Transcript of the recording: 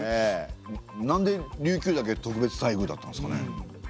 なんで琉球だけ特別待遇だったんですかね？